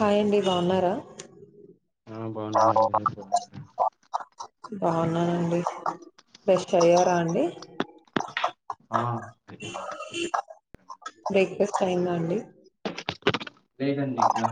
Hi అండి బాగున్నారా ఆ బాన్నానండి మీరు బాగున్నారా బెస్ట్ అయ్యారా అండి ఆ అయిపోయింది బ్రేక్ఫాస్ట్ అయిందా అండి లేదండి ఇంకా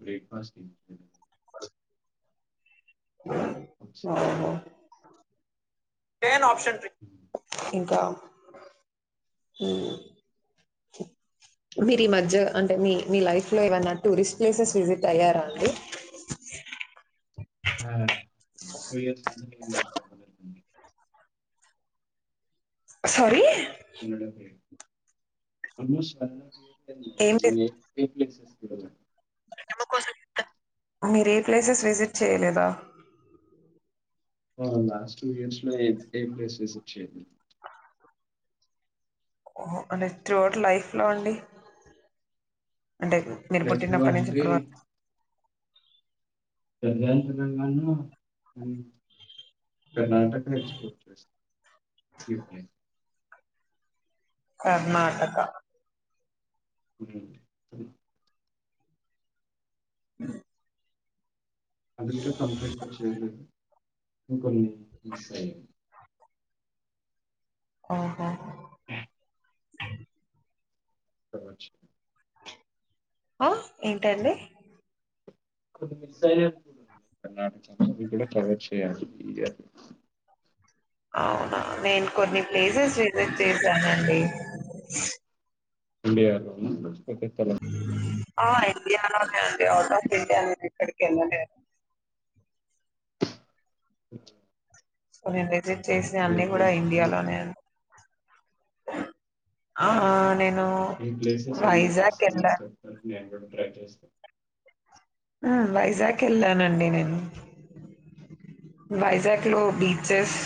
బ్రేక్ఫాస్ట్ ఇ ఓహో టేన్ ఆప్షన్ ఇంకా మీరు ఈ మధ్య అంటే మీ మీ లైఫ్ లో ఏమన్నా టూరిస్ట్ ప్లేసెస్ విజిట్ అయ్యారా అండి టూ ఇయర్స్ నుంచి నేను తినలేదండి. సారీ అల్ మోస్ట్ ఏం లేదు. [unintelligible] త్రి ప్లేసెస్ కి మీరు ఏ ప్లేసెస్ విజిట్ చేయలేదా లాస్ట్ టూ ఇయర్స్ లో ఏ ఏం ప్లేసేస్ విజిట్ చేయ్యలేదు ఓకే టోటల్ లైఫ్ లో అండి అంటే మీరు లైఫ్ లో పుట్టినప్పటి నుంచి అంటే ఇప్పుటి వరకు వెళ్ళలినుకున్నగాని కర్ణాటక ఎక్స్‌ప్లోర్ చేస్త యూకే కర్ణాటక ఉ అ ఇంట్లో కంప్లెట్ వచ్చింది కొన్ని మీస్ అయి ఓహో సరేనా ఆ ఏంటండి అప్పుడు మిస్ అయ్యాయి అంటున్న కర్ణాటక లో అది కూడా ట్రై చేయాలి అని అవునా నేను కొన్ని ప్లేసెస్ విజిట్ చేశానండి ఇండియాలో [inaudible] ఇండియాలోనే అండి అవుట్ ఆఫ్ ఇండియా ఎక్కడికి వెళ్ళలేదు సో నేను విజిట్ చేసిన ఏ అన్ని కూడా ప్లేసెస్ ఇండియాలోనే ఆ నేను ఏ ప్లేసెస్ అండి వైజాగ్ కష్టం వెళ్ళా అని చెప్తారు నేను కూడా ట్రై చేస్తాను వైజాగ్ వెళ్ళానండి నేను వైజాక్ లో beaches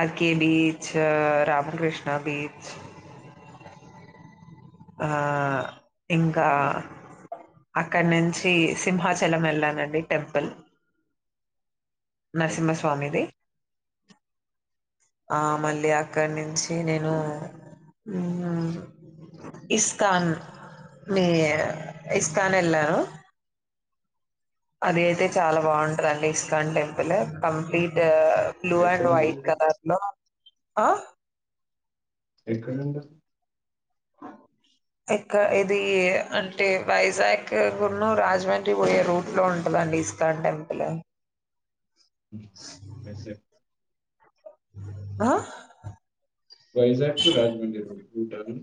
RK beach Ramakrishna beach ఆ ఇంకా అక్కడ నుంచి సింహాచలం వెళ్ళానండి టెంపుల్ ఓకే. నరసింహస్వామిది ఆ మళ్ళీ అక్కడి నుంచి నేను, హ్మ్ ఇస్కాన్, ఏ ఇస్కాన్ ఎళ్ళారు. అది అయితే చాలా బాగుంటదండి. ISKCON temple complete, blue and ఎక్కడండి వైట్ అది కలర్లో ఎక్కడండి అ ఇక్కడ్ ఇది అంటే వైజాగ్ కు రాజమండ్రి పోయే రూట్ లో ఉంటది. ఇస్కాన్ టెంపుల్ ఎస్ సే ఆ Vizag to Rajahmundry U turn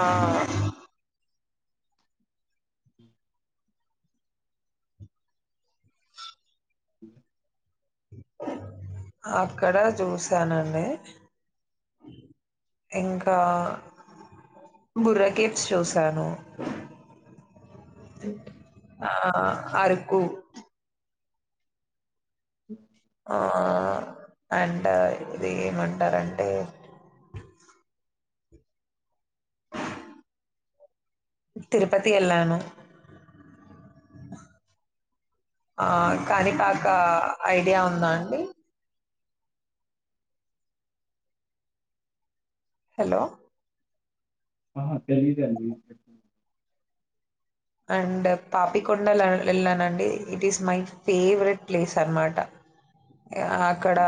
ఆ ఉ అక్కడ చూశానండి ఇంకా బుర్ర కేవ్స్ చూశాను ఓకే ఆ అరుకు ఆ అండ్ ఇది ఏమంటారంటే తిరుపతి ఎళ్ళాను ఆ కానిపాక ఐడియా ఉందా అండి హలో ఆహా తెలీదు అండి అండ్ పాపికొండలు వెళ్ళానండి. It is my favourite place అన్నమాట. అక్కడ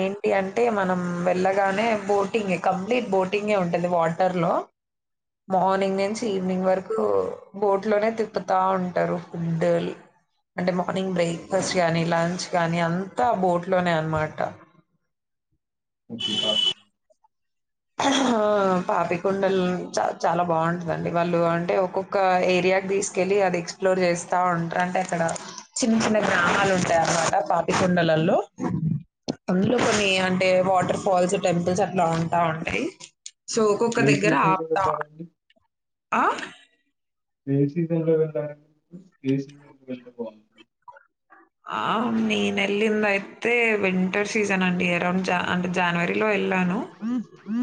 ఏంటి అంటే మనం వెళ్ళగానే బోటింగ్ కంప్లీట్ బోటింగ్, టింగ్ ఏ ఉంటది వాటర్ లో మార్నింగ్ నుంచి ఈవినింగ్ వరకు బోట్ ట్లోనే తిప్పుతా ఉంటారు డల్ అంటే మార్నింగ్ బ్రేక్ఫాస్ట్ కానీ, లంచ్ కానీ అంతా బోట్ లోనే అన్నమాట. ఓకే బ ఆ పాపికండలు చ చాలా బాగుంటదండి వాళ్ళు అంటే ఒక్కొక్క ఏరియా, తీసుకెళ్ళి అది ఎక్స్ప్లోర్ చేస్తా ఉంటారు. అంటే అక్కడ చిన్న చిన్న గ్రామాలు ఉంటాయి. అన్నమాట పాపిక్, పాపి కొండలలో అందులో కొన్ని అంటే వాటర్ ఫాల్స్ టెంపుల్స్ అట్లా ఉంట్ ట ఉంటాయి సో ఒక్కొక్క ఏ దగ్గర సీజన్లో ఆప్తా వెళ్ళారండి ఆ ఏ సీజన్లో వెళ్లడానికి, ఏ సీజన్ వెళ్లారు ఆ నేన వెళ్ళింది అయితే వింటర్ సీజన్ అండి, అరౌండ్ అంటే జనవరిలో వెళ్ళాను. ఆ ఆ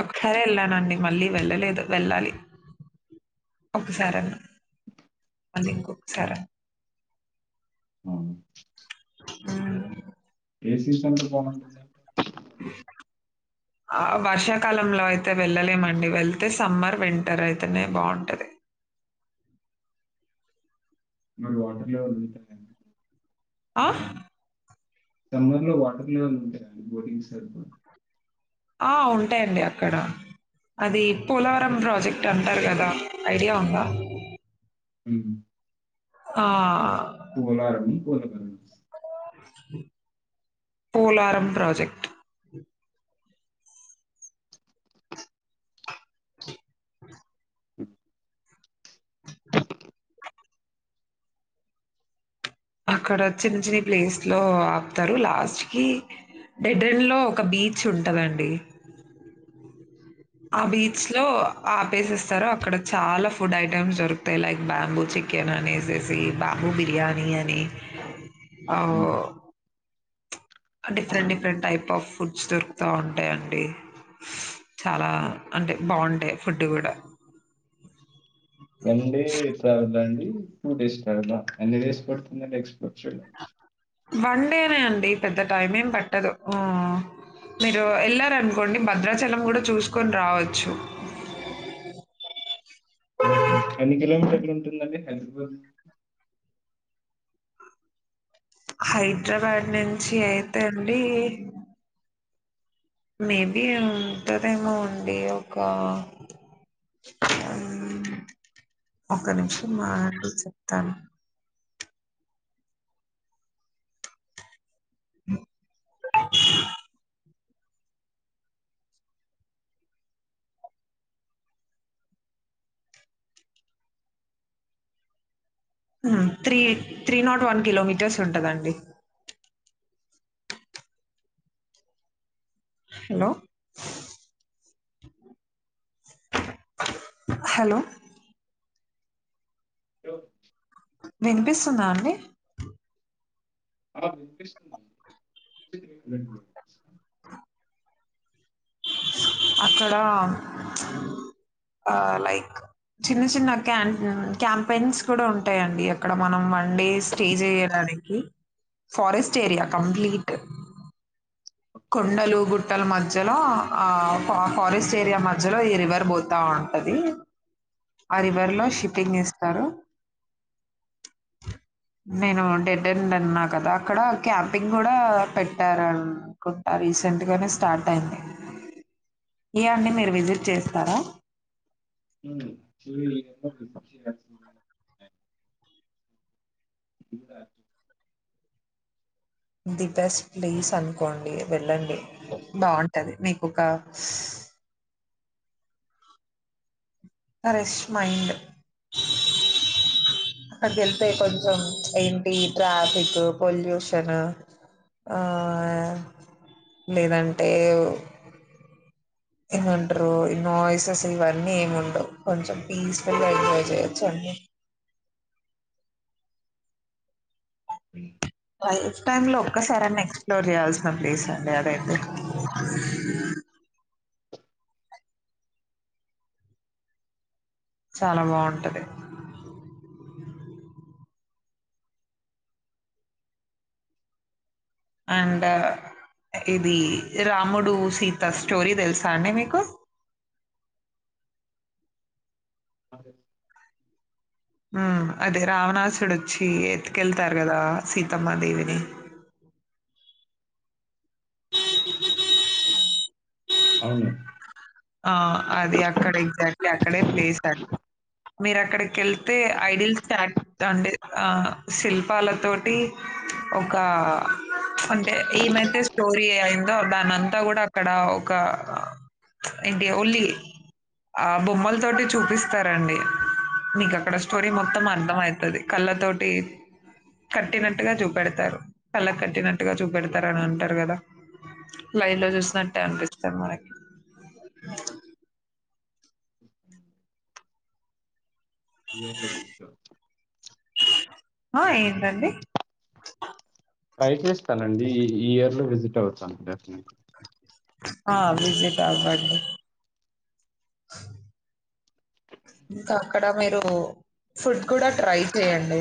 ఒసారే వెళ్ళానండి, మళ్ళీ వెళ్ళలేదు వెళ్ళాలి. ఒక్కసార అన్న, అది ఇంకొక్కసారి అన్న అవును ఉమ్ ఏ సీజన్ లో బాగుంట్ ఆ వర్షాకాలంలో అయితే వెళ్ళలేమండి వెళ్తే సమ్మర్, వింటర్ అయితేనే బాగుంటది. మరి వాటర్ లెవెల్ ఉంట్ ఆ సమ్మర్ లో వాటర్ లెవెల్ ఉంటాయండి బోటింగ్ సరిపో ఆ ఉంటాయండి అక్కడ అది పోలవరం ప్రాజెక్టు అంటారు కదా ఐడియా ఉంద. ఉమ్ ఆ పోలారం [unintelligible] పోలారం ప్రాజెక్ట్ హ అక్కడ చిన్న చిన్న ప్లేస్ లో ఆపుతారు లాస్ట్ కి డెడ్ ఎండ్ లో ఒక బీచ్ ఉంటందండి ఆ బీచ్ లో ఆపేసేస్తారు అక్కడ చాలా ఫుడ్ ఐటెమ్స్ దొరుకుతాయి లైక్ బ్యాంగో చికెన్ అనేసేసి బా బిర్యానీ అని అవ్ హ్మ్. Different different type of foods దొరుకుతా ఉంటాయండి చాలా అంటే బాగుంటాయి ఫుడ్ కూడా వన్డే చాలాదా అండి టూ డేస్ పడ్తదా ఎన్ని డేస్ పడుతుందండి ఎక్స్ప్లోర్ చేయడకి వన్డే నే అండి పెద్ద టైం ఏం పట్టదు ఆ మీరు వెళ్లారు ఆనుకోండి భద్రాచలం కూడా చూసుకొని రావచ్చు ఉహు ఎన్ని కిలోమీటర్లు ఉంటుందండి హైదరాబాద్ నుండి హైదరాబాద్ నుంచి అయితే అండి మేబి ఉంటందేమో అండి ఒక ఆ ఒక నిమిషం అగు చెప్తాను ఉ three three not one kilometres ఉంటది అండి హలో హలో లో వినిపిస్తుందా అండి ఆ వినిపిస్తుందండి అక్కడ ఆ లైక్ చిన్న చిన్న క్యాన్ క్యాంపెయిన్స్ కూడా ఉంటాయండి అక్కడ మనం వా డేస్ స్టే చేయడానికి ఫారెస్ట్ ఏరియా కంప్లీట్ కొండలు గుట్టల మధ్యలో ఆ ఫారెస్ట్ ఏరియా మధ్యలో ఈ రివర్ పోతా ఉ టది ఆ రివర్ లో షిప్పింగ్ చేస్తారు నేను డెడ్ ఎండ్ అన్నా కదా అక్కడ క్యాంపింగ్ కూడా పెట్టారన్ కుంట రీసెంట్ గానే స్టార్ట్ అయింది ఇవన్నీ మీరు విజిట్ చేస్తారా ఊ [inaudible] [inaudible] ది బెస్ట్ ప్లేస్ అనుకోండి వెళ్ళండి బాగుంట టది మీకు ఒక ప్రెష్ మైండ్ అక్కడికివెళ్తే కొంచం ఏంటి ట్రాఫిక్ పొల్యూషన్ ఆ లేదంటే ఏమంటారు ఈ నాయిసెస్ ఇవన్నీ ఏమి ఉండవు కొంచెం పీస్ఫుల్ గా ఎంజాయ్ చేయొచ్చు అం అ ఉ లైఫ్ టైమ్ లో ఒక్కసారిని ఎక్స్ప్లోర్ చేయల్సి నా ప్లేస్ అండి అది అయితే చాలా బావుంటది అంట ఇది రాముడు సీత స్టోరీ తెలుసా అండి మీకు అ అదే రావణాసుడోచ్చి ఎత్తుకెళ్తారు కదా సీతమ్మ దేవిని అవును ఆ అది అక్కడ ఎగ్జాక్ట్లీ అక్కడే ప్లేస్ అది మీరు అక్కడికి వెళ్తే ఐడిల్ స్టార్ట్ అండి ఆ శిల్పాల తోటి ఒక అంటే ఏమైతే స్టోరీ అయిందో దానింతా కూడా అక్కడ ఒక ఏంటి ఓన్లీ ఆ బొమ్మల తోటి చూపిస్తారండి మీక అక్కడ స్టోరీ మొత్తం అర్థం అవుతుంది కళ్ళ తోటి కట్టినట్టుగా చూపెడతారు కళ్ళ కట్టినట్టుగా చూపెడతారు అని అంటారు కదా లైన్లో చూసినట్టే అనిపిస్తారు మనకి బాగా ఆ ఏండి అండి ఈ ఇయర్ లో విజిట్ అవుతాను డెఫినెట్లీ ఆ విజేత బడ్డ ఇంకా అక్కడ మీరు ఫుడ్ కూడా ట్రై చెయండి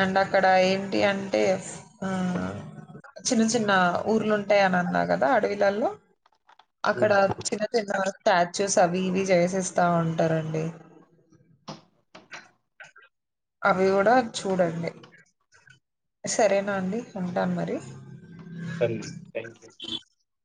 అండ్ అక్కడ ఏంటి అంటే ఆ చిన్న చిన్న ఊర్లుంటాయని అన్నా కదా అడవిలలో అక్కడ హ్మ్. చిన్న చిన్న స్టాచ్యూస్ అవి ఇవి చేసిస్తా ఉంటారండి అవి కూడ చూడండి సరేనా అండి ఉంటాను మరి న్ థ్యాంక్ యూ ఆ